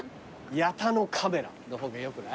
「ヤタのカメラ」の方がよくない？